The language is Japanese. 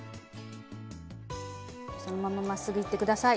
そのまままっすぐいって下さい。